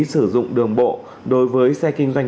sử dụng đường bộ đối với xe kinh doanh